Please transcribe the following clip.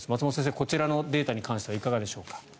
こちらのデータに関してはいかがでしょうか。